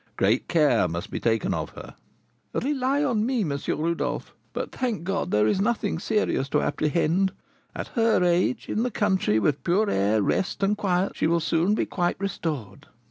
Great care must be taken of her." "Rely on me, M. Rodolph; but, thank God! there is nothing serious to apprehend. At her age, in the country, with pure air, rest, and quiet, she will soon be quite restored."